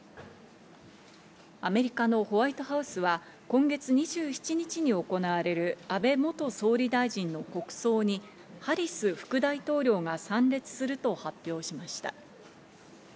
アメリカのホワイトハウスは今月２７日に行われる安倍元総理大臣の国葬に、ハリス副大統領が参列すると発表しました。